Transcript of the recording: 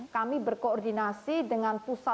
kami berkoordinasi dengan pusat